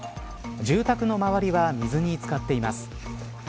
住宅の周りは水に漬かっています。